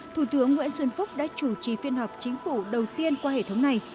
thủ tướng nguyễn xuân phúc đã chủ trì phiên họp chính phủ đầu tiên qua hệ thống này